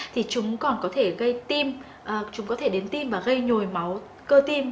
thì chúng còn có thể gây tim chúng có thể đến tim và gây nhồi máu cơ tim